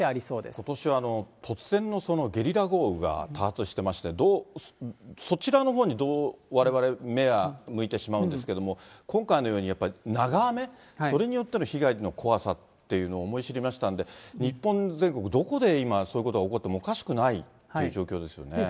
ことしは突然のゲリラ豪雨が多発してまして、そちらのほうに、われわれ目が向いてしまうんですけれども、今回のようにやっぱり長雨、それによっての被害の怖さっていうのを思い知りましたんで、日本全国どこで今、そういうことが起こってもおかしくないっていう状況ですよね。